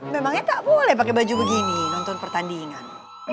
memangnya tak boleh pakai baju begini nonton pertandingan